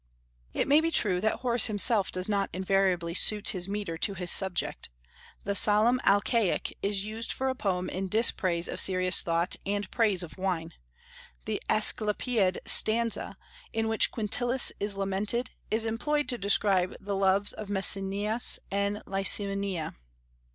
It may be true that Horace himself does not invariably suit his metre to his subject; the solemn Alcaic is used for a poem in dispraise of serious thought and praise of wine; the Asclepiad stanza in which Quintilius is lamented is employed to describe the loves of Maecenas and Licymnia.